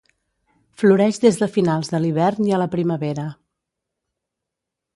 Floreix des de finals de l'hivern i a la primavera.